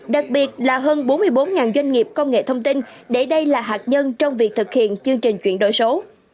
đặc biệt là hơn bốn mươi bốn doanh nghiệp công nghệ thông tin để đây là hạt nhân trong việc thực hiện chương trình chuyển đổi số